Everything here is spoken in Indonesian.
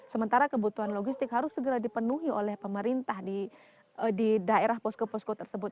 sementara kebutuhan logistik harus segera dipenuhi oleh pemerintah di daerah posko posko tersebut